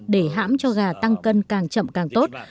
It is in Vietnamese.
để hãm cho gà tăng cân càng chậm càng tốt